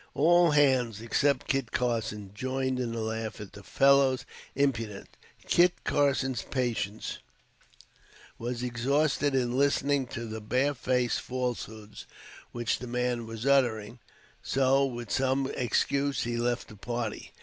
All hands, except Kit Carson, joined in the laugh at the fellow's impudence. Kit Carson's patience was exhausted in listening to the barefaced falsehoods which the man was uttering; so, with some excuse, he left the party.